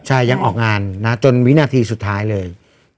ใช่ยังออกงานนะจนวินาทีสุดท้ายเลย